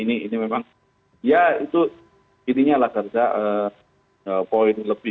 ini memang ya itu intinya lagar lagar poin lebih